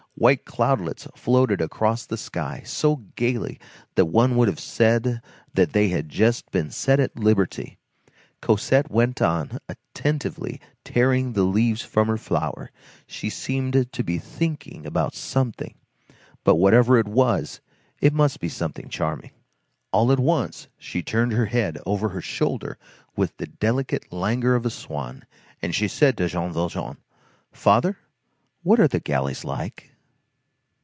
White cloudlets floated across the sky, so gayly, that one would have said that they had just been set at liberty. Cosette went on attentively tearing the leaves from her flower; she seemed to be thinking about something; but whatever it was, it must be something charming; all at once she turned her head over her shoulder with the delicate languor of a swan, and said to Jean Valjean: "Father, what are the galleys like?"